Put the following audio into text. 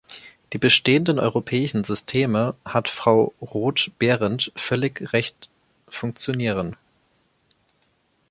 Die bestehenden europäischen Systeme hat Frau Roth-Behrendt völlig Recht funktionieren.